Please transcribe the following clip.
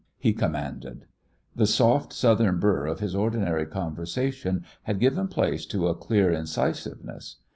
he commanded. The soft Southern burr of his ordinary conversation had given place to a clear incisiveness.